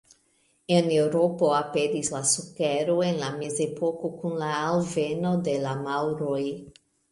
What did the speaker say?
En Eŭropo aperis la sukero en la Mezepoko kun la alveno de la maŭroj.